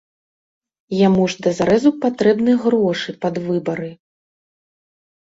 Яму ж дазарэзу патрэбны грошы пад выбары.